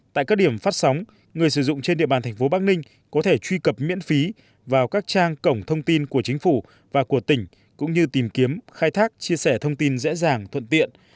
tại các điểm phát sóng người sử dụng trên địa bàn thành phố bắc ninh có thể truy cập miễn phí vào các trang cổng thông tin của chính phủ và của tỉnh cũng như tìm kiếm khai thác chia sẻ thông tin dễ dàng thuận tiện